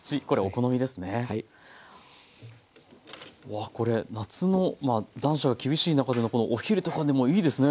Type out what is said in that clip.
わあこれ夏の残暑が厳しい中でのお昼とかでもいいですね。